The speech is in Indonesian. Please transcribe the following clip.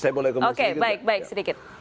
saya boleh komentar sedikit